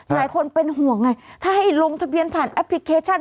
หลายคนเป็นห่วงไงถ้าให้ลงทะเบียนผ่านแอปพลิเคชัน